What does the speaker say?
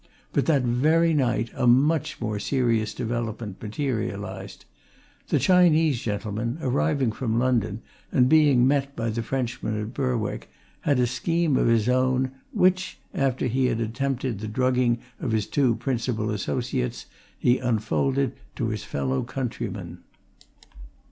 But that very night a much more serious development materialized. The Chinese gentleman, arriving from London, and being met by the Frenchman at Berwick, had a scheme of his own, which, after he had attempted the drugging of his two principal associates, he unfolded to his fellow countrymen.